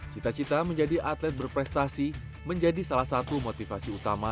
cita cita menjadi atlet berprestasi menjadi salah satu motivasi utama